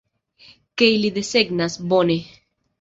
Ke ili desegnas, bone.